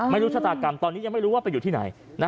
ไม่รู้ชะตากรรมตอนนี้ยังไม่รู้ว่าไปอยู่ที่ไหน